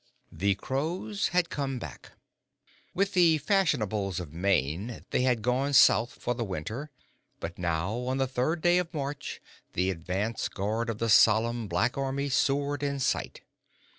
The crows had come back. With the fashionables of Maine they had gone south for the winter, but now on the third day of March the advance guard of the solemn, black army soared in sight.